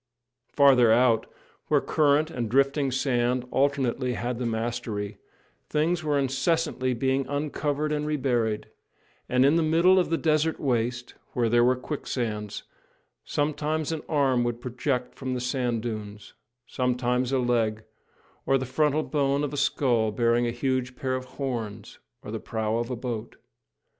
Farther out, where current and drifting sand alternately had the mastery, things were incessantly being uncovered and reburied; and in the middle of the desert waste, where there were quicksands, sometimes an arm would project from the sand dunes, sometimes a leg, or the frontal bone of a skull bearing a huge pair of horns, or the prow of a boat.